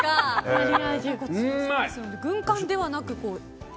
軍艦ではなく。